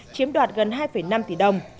chiếm đoạt gần hai năm tỷ đồng